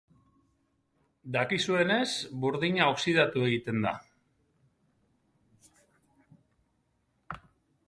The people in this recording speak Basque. Dakizuenez, burdina oxidatu egiten da.